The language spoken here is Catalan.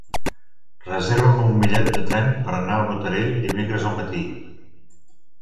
Reserva'm un bitllet de tren per anar a Botarell dimecres al matí.